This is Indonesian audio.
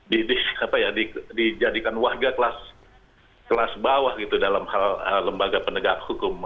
di apa ya dijadikan wajah kelas bawah gitu dalam hal lembaga pendekat hukum